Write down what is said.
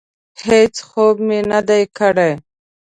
هېڅ خوب مې نه دی کړی.